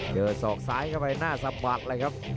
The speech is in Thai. เจอศอกซ้ายเข้าไปน่าสบากเลยครับ